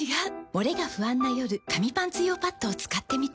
モレが不安な夜紙パンツ用パッドを使ってみた。